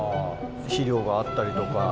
肥料があったりとか。